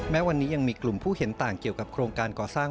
แม้วันนี้ยังมีกลุ่มผู้เห็นต่างเกี่ยวกับโครงการก่อสร้าง